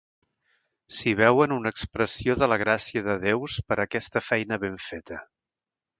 S'hi veuen una expressió de la gràcia de Déus per a aquesta feina ben feta.